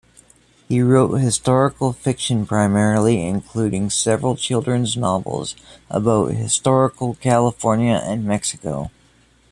He wrote historical fiction, primarily, including several children's novels about historical California and Mexico.